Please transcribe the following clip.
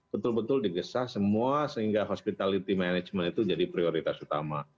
betul betul digesah semua sehingga hospitality management itu jadi prioritas utama